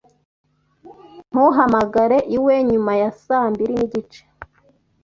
Ntugahamagare iwe nyuma ya saa mbiri n'igice